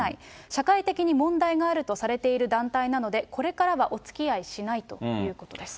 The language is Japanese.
社会的に問題があるとされている団体なので、これからはおつきあいしないということです。